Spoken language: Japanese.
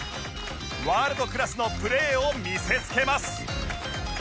ワールドクラスのプレーを見せつけます